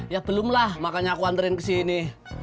ya belum lah makanya aku antren ke sini